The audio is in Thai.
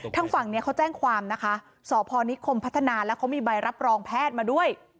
ทางฝั่งนี้เขาแจ้งความนะคะสพนิคมพัฒนาแล้วเขามีใบรับรองแพทย์มาด้วย